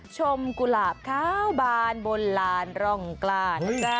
ชมกุหลาบข้าวบานบนร้อนร่องกล้า